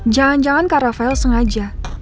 jangan jangan kak rafael sengaja